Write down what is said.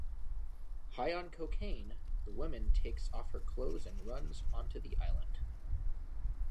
High on cocaine, the woman takes off her clothes and runs onto the island.